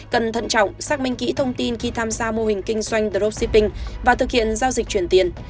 cần thận trọng xác minh kỹ thông tin khi tham gia mô hình kinh doanh dropshipping và thực hiện giao dịch chuyển tiền